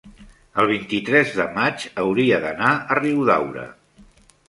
el vint-i-tres de maig hauria d'anar a Riudaura.